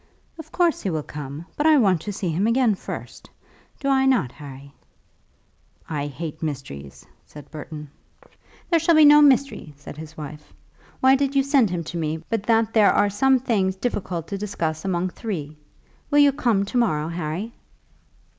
"Of course he will come, but I want to see him again first. Do I not, Harry?" "I hate mysteries," said Burton. "There shall be no mystery," said his wife. "Why did you send him to me, but that there are some things difficult to discuss among three? Will you come to morrow, Harry?"